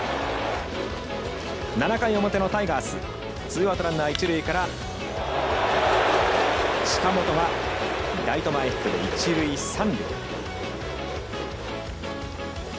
７回表のタイガースツーアウト、ランナー、一塁から近本がライト前ヒットで一塁三塁。